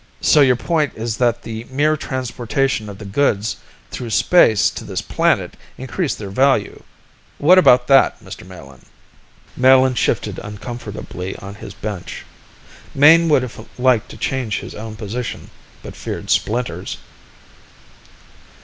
"So your point is that the mere transportation of the goods through space to this planet increased their value. What about that, Mr. Melin?" Melin shifted uncomfortably on his bench. Mayne would have liked to change his own position, but feared splinters.